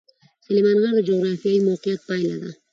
سلیمان غر د جغرافیایي موقیعت پایله ده.